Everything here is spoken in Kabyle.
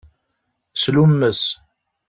Slummes.